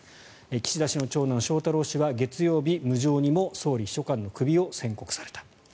岸田氏の長男・翔太郎氏は月曜日、無情にも総理秘書官のクビを宣告された。